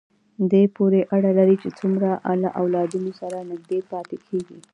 دې پورې اړه لري چې څومره له اولادونو سره نږدې پاتې کېږي.